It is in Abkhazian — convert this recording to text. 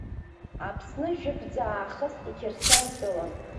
Аԥсны жәытәӡаахыс иқьырсиан-тәылан.